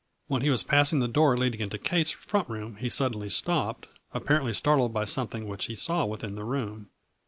When he was passing the door leading into Kate's front room he suddenly stopped, apparently startled by something which he saw within the room.